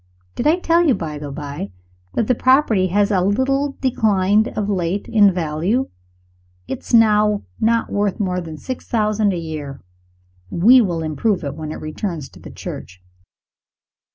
Did I tell you, by the by, that the property has a little declined of late in value? It is now not worth more than six thousand a year. We will improve it when it returns to the Church.